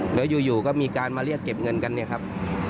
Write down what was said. หรืออยู่ก็มีการมาเรียกเก็บเงินกันเนี่ยครับ